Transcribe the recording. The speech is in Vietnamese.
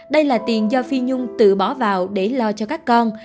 đây là tiền do phi nhung tự bỏ vào để lo cho các con